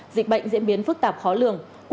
dịch bệnh diễn biến phức tạp khó lường